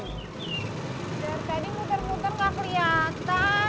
dar tadi putar putar gak kelihatan